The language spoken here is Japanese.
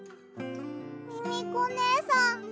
ミミコねえさん。